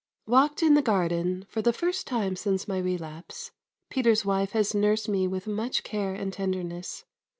Walked in the garden for the first time since my relapse. Peter's wife has nursed me with much care and tenderness.